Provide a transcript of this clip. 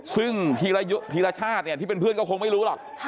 ซึ่งธีรชาติเนี่ยที่เป็นเพื่อนก็คงไม่รู้หรอก